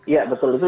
ya betul itu